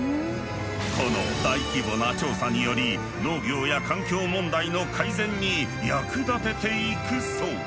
この大規模な調査により農業や環境問題の改善に役立てていくそう。